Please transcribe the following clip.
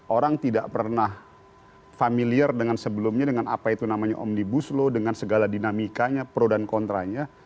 orang tidak pernah familiar dengan sebelumnya dengan apa itu namanya omnibus law dengan segala dinamikanya pro dan kontranya